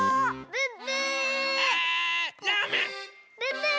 ブッブー！